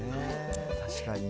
確かに。